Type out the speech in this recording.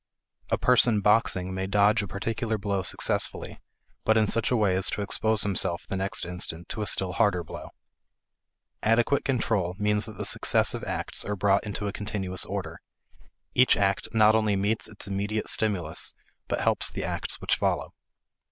A person boxing may dodge a particular blow successfully, but in such a way as to expose himself the next instant to a still harder blow. Adequate control means that the successive acts are brought into a continuous order; each act not only meets its immediate stimulus but helps the acts which follow.